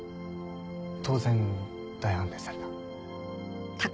当然大反対された？